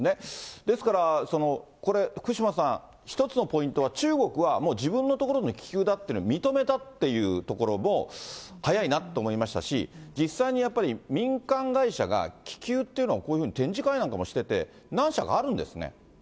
ですから、これ、福島さん、一つのポイントは中国はもう自分のところの気球だって認めたっていうところも早いなと思いましたし、実際にやっぱり、民間会社が、気球っていうのを、こういうふうに展示会なんかしてて、何社かあるんですね。